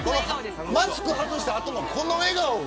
マスクを外した後のこの笑顔。